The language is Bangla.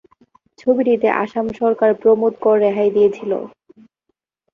ছবিটিকে আসাম সরকার প্রমোদ কর রেহাই দিয়েছিল।